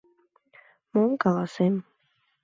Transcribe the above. — Мом каласем...